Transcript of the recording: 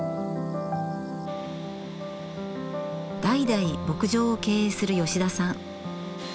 代々牧場を経営する吉田さん。